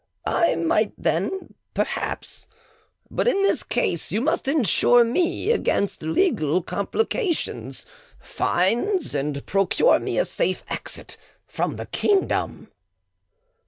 "I might then, perhaps. But in this case you must insure me against legal complications, fines, and procure me a safe exit from the kingdom."